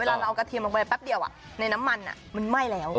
เราเอากระเทียมลงไปแป๊บเดียวในน้ำมันมันไหม้แล้ว